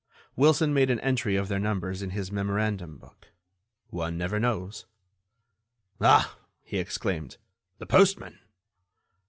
Wilson made an entry of their numbers in his memorandum book. One never knows! "Ah!" he exclaimed, "the postman."